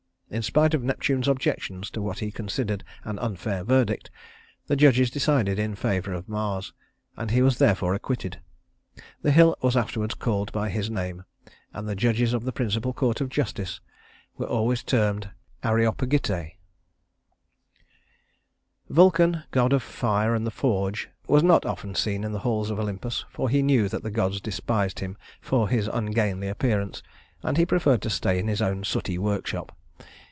In spite of Neptune's objections to what he considered an unfair verdict, the judges decided in favor of Mars, and he was therefore acquitted. The hill was afterwards called by his name, and the judges of the principal court of justice were always termed areopagitæ. III Vulcan, god of fire and the forge, was not often seen in the halls of Olympus, for he knew that the gods despised him for his ungainly appearance, and he preferred to stay in his own sooty workshop.